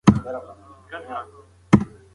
حساب کتاب باید په ډېر دقت سره ولیکل شي.